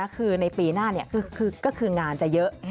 คือในปีหน้าก็คืองานจะเยอะ